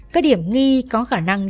các điểm nghi có khả năng